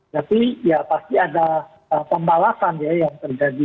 tapi ya pasti ada pembalasan ya yang terjadi